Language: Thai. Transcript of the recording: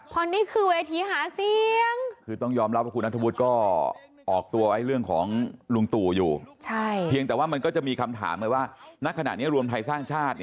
เพราะนี่คือเวทีหาเสียง